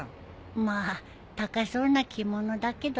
まあ高そうな着物だけどね。